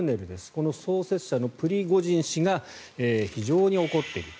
この創設者のプリゴジン氏が非常に怒っている。